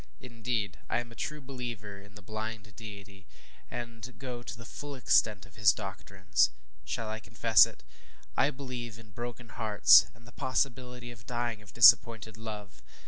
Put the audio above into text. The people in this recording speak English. Indeed, I am a true believer in the blind deity, and go to the full extent of his doctrines. Shall I confess it? I believe in broken hearts, and the possibility of dying of disappointed love!